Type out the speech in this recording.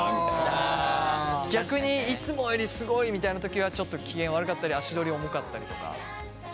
逆にいつもよりスゴいみたいな時はちょっと機嫌悪かったり足取り重かったりとか？